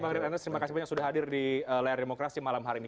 pak arief anto terima kasih banyak sudah hadir di layar demokrasi malam hari ini